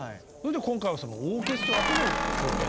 今回はそのオーケストラとの共演という。